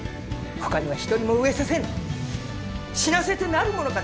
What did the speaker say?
ほかには一人も飢えさせぬ死なせてなるものか！